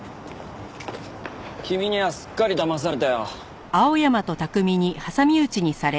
君にはすっかりだまされたよ。